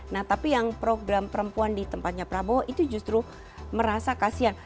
nah tapi yang program perempuan di tempatnya prabowo itu justru merasa kasihan